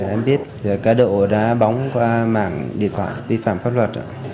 em biết cá độ đá bóng qua mạng điện thoại vi phạm pháp luật